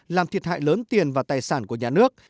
làm thiệt hại lớn tiền và tài sản của nhà nước